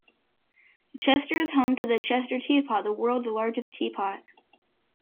Chester is home to the Chester teapot, the World's Largest Teapot.